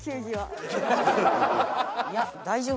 いや大丈夫です。